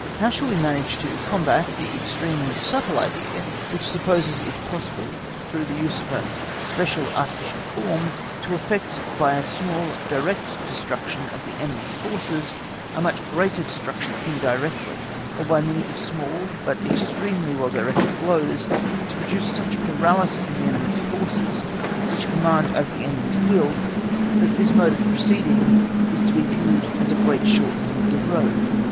How shall we manage to combat that extremely subtle idea, which supposes it possible, through the use of a special artificial form, to effect by a small direct destruction of the enemy's forces a much greater destruction indirectly, or by means of small but extremely well directed blows to produce such paralysation of the enemy's forces, such a command over the enemy's will, that this mode of proceeding is to be viewed as a great shortening of the road?